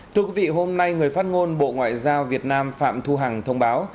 thưa quý vị hôm nay người phát ngôn bộ ngoại giao việt nam phạm thu hằng thông báo